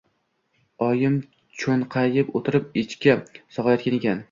Oyim cho‘nqayib o‘tirib, echki sog‘ayotgan ekan.